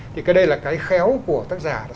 thì cái đây là cái khéo của tác giả